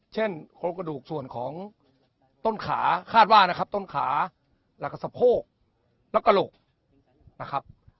เช่นโครงกระดูกส่วนของต้นขาคาดว่านะครับต้นขาแล้วก็สะโพกและกระโหลกนะครับ